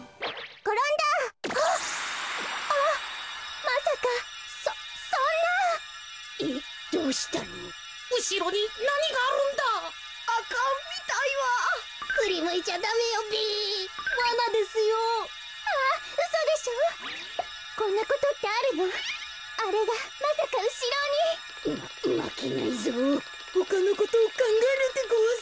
こころのこえほかのことをかんがえるでごわす。